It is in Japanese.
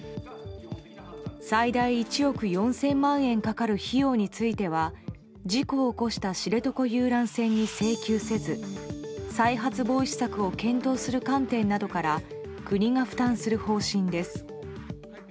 最大１億４０００万円かかる費用については事故を起こした知床遊覧船に請求せず再発防止策を検討する観点などから国が負担する方針です。